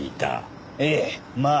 ええまあ。